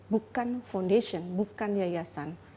bukan foundation bukan yayasan